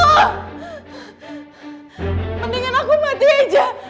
mendingan aku mati aja